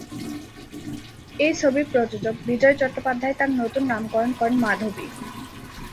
এই ছবির প্রযোজক বিজয় চট্টোপাধ্যায় তার নতুন নামকরণ করেন মাধবী।